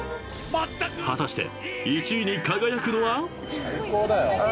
［果たして１位に輝くのは？］